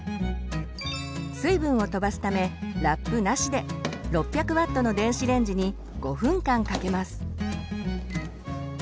水分をとばすためラップなしで６００Ｗの電子レンジに５分間かけます。